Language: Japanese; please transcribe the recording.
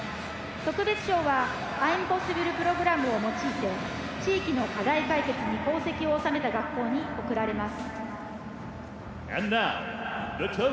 特別賞はアイムポッシブルプログラムを用いて地域の課題解決に功績を収めた学校に贈られます。